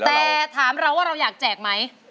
แต่ถามเราว่าเราอยากแจกไหม